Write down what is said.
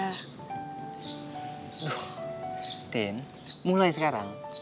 aduh tin mulai sekarang